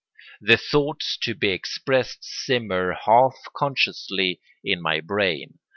The thoughts to be expressed simmer half consciously in my brain.